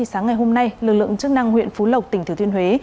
sáng ngày hôm nay lực lượng chức năng huyện phú lộc tỉnh thừa thiên huế